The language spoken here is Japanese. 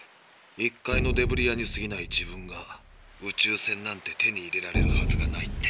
「一介のデブリ屋にすぎない自分が宇宙船なんて手に入れられるはずがない」って。